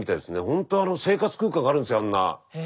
ほんとあの生活空間があるんですよあんな。